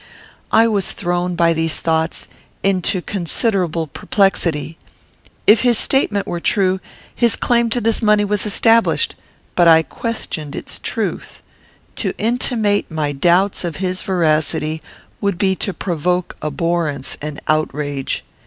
I was thrown, by these thoughts, into considerable perplexity. If his statement were true, his claim to this money was established; but I questioned its truth. To intimate my doubts of his veracity would be to provoke abhorrence and outrage.